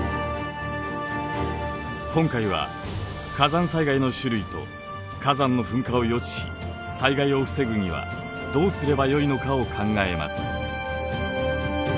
今回は火山災害の種類と火山の噴火を予知し災害を防ぐにはどうすればよいのかを考えます。